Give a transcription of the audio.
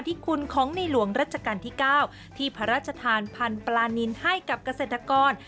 ที่คุณของในหลวงรัชกาลที่๙ที่พระราชทานพันธุ์ปลานินให้กับเกษตรกร